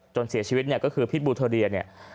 จนเสียชีวิตก็คือพิษบุทรเรีย